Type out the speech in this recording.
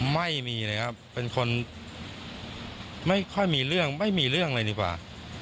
ไม่มีเลยครับเป็นคนไม่ค่อยมีเรื่องไม่มีเรื่องเลยดีกว่า